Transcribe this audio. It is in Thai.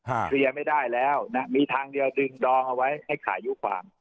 เคลียร์ไม่ได้แล้วนะมีทางเดียวดึงดองเอาไว้ให้ขายุความ